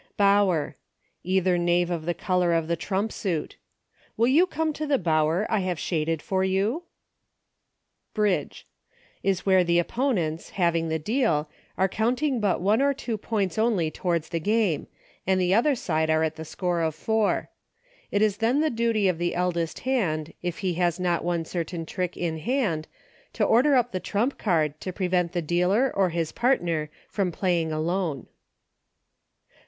Bower. Either Knave of the color of the trump suit. " Will you come to the bower I have shaded for you ?" Bridge. Is where the opponents, having the deal, are counting but one or two points only towards game, and the other side are at the score of four. It is then the duty of the eldest hand, if he has not one certain trick in hand, to order up the trump card to prevent (78) TECHNICALITIES. 79 the dealer, or his partner, from Playing Alone.